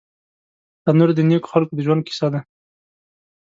تنور د نیکو خلکو د ژوند کیسه ده